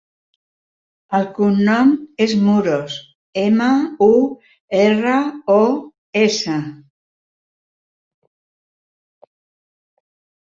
El cognom és Muros: ema, u, erra, o, essa.